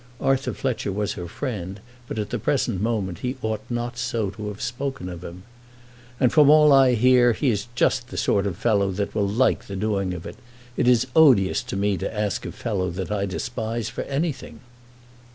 Arthur Fletcher was her friend, but at the present moment he ought not so to have spoken of him. "And from all I hear, he is just the sort of fellow that will like the doing of it. It is odious to me to ask a fellow that I despise for anything."